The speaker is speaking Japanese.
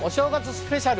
スペシャル